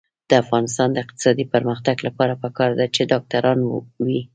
د افغانستان د اقتصادي پرمختګ لپاره پکار ده چې ډاکټران وي.